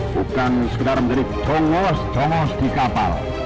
bukan sekedar mengerik congos congos di kapal